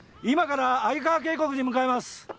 今から鮎川渓谷に向かいます。